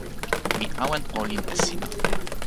mi awen olin e sina.